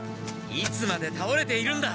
いつまでたおれているんだ。